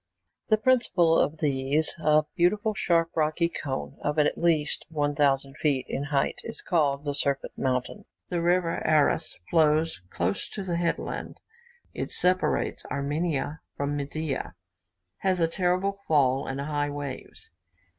The principal of these, a beautiful sharp rocky cone, of at least 1,000 feet in height, is called the Serpent Mountain. The river Aras flows close to the headland. It separates Armenia from Media, has a terrible fall, and high waves.